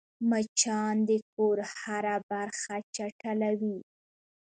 مچان د کور هره برخه چټلوي